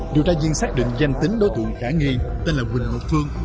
điều tra viên xác định danh tính đối tượng khả nghi tên là quỳnh ngọc phương